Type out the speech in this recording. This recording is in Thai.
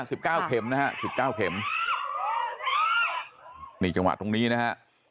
สิบเก้าเข็มนะฮะสิบเก้าเข็มนี่จังหวะตรงนี้นะฮะ